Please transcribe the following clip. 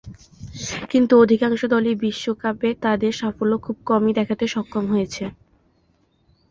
কিন্তু অধিকাংশ দলই বিশ্বকাপে তাদের সাফল্য খুব কমই দেখাতে সক্ষম হয়েছে।